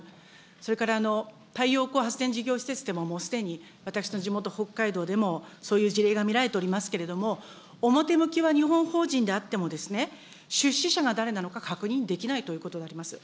それから太陽光発電事業施設でももうすでに私の地元、北海道でもそういう事例が見られておりますけれども、表向きは日本法人であっても、出資者が誰であるのか確認できないということであります。